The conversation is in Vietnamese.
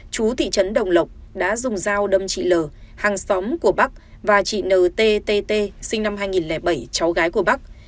chú thị trấn đồng lộc đã dùng dao đâm chị l hàng xóm của bắc và chị n t t t sinh năm hai nghìn bảy cháu gái của bắc